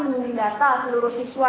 mengundahkan seluruh siswa